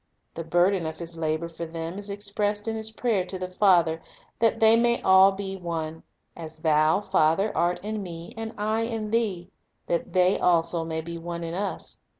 The burden of His labor for them is expressed in His prayer to the Father, "that they all may.be one; as Thou, Father, art in Me, and I in Thee, that they also may be one in Us